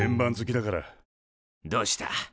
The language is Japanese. どうした？